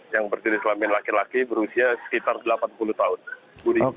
yang berdiri kelamin laki laki berusia sekitar delapan puluh tahun budi